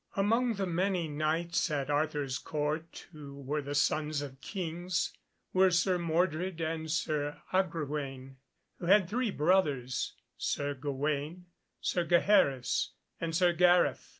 Among the many Knights at Arthur's Court who were the sons of Kings were Sir Mordred and Sir Agrawaine, who had three brothers, Sir Gawaine, Sir Gaheris and Sir Gareth.